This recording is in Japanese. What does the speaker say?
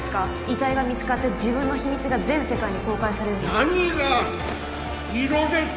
遺体が見つかって自分の秘密が全世界に公開されるのが何が色です！